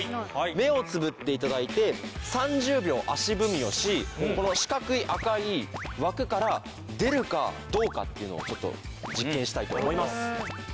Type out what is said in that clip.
目をつぶって頂いて３０秒足踏みをしこの四角い赤い枠から出るかどうかっていうのをちょっと実験したいと思います。